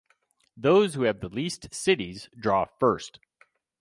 Those who have the least cities draw first.